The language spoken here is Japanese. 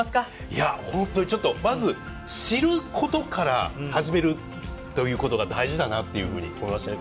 いや本当にちょっとまず知ることから始めるということが大事だなっていうふうに思いましたね。